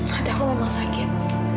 hati aku memang sakit